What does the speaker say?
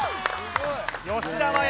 吉田麻也